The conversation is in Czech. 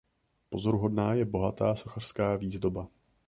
Pozoruhodná je bohatá sochařská výzdoba.